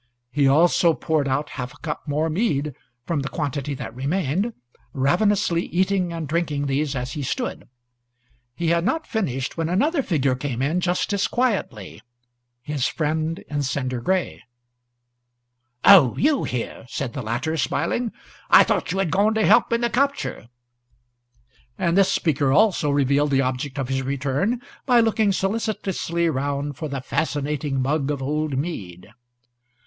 He also poured out half a cup more mead from the quantity that remained, ravenously eating and drinking these as he stood. He had not finished when another figure came in just as quietly the stranger in cinder gray. "Oh, you here?" said the latter, smiling. "I thought you had gone to help in the capture." And this speaker also revealed the object of his return by looking solicitously round for the fascinating mug of old mead.